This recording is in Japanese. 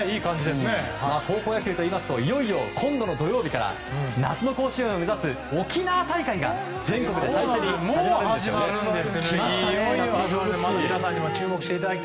高校野球といいますといよいよ今度の土曜日から夏の甲子園を目指す沖縄大会が全国先駆けて始まるんですね。